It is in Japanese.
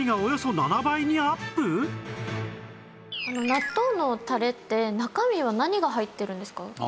納豆のタレって中身は何が入ってるんですか？